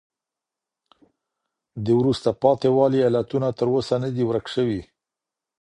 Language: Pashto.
د وروسته پاته والي علتونه تر اوسه نه دي ورک سوي.